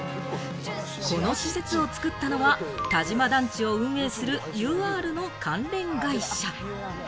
この施設を作ったのは、田島団地を運営するＵＲの関連会社。